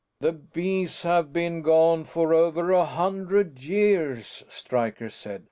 "The Bees have been gone for over a hundred years," Stryker said.